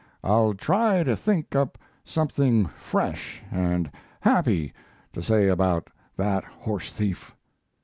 I'll try to think up something fresh and happy to say about that horse thief."